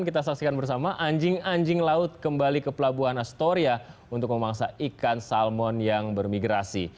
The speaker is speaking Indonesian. kita saksikan bersama anjing anjing laut kembali ke pelabuhan astoria untuk memangsa ikan salmon yang bermigrasi